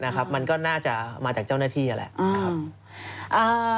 ไม่ได้นะครับมันก็น่าจะมาจากเจ้าหน้าที่นั่นแหละ